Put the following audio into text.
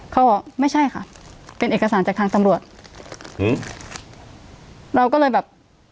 เขาบอกไม่ใช่ค่ะเป็นเอกสารจากทางตำรวจอืมเราก็เลยแบบ